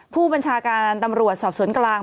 ผู้บัญชาการตำรวจสอบสวนกลาง